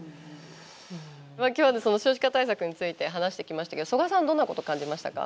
今日は少子化対策について話してきましたけど曽我さんはどんなことを感じましたか？